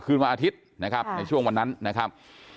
วันอาทิตย์นะครับในช่วงวันนั้นนะครับ